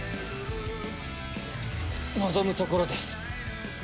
望むところです